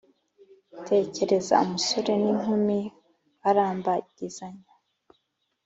Tekereza umusore n inkumi barambagizanya